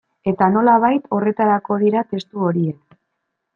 Eta, nolabait, horretarako dira testu horiek.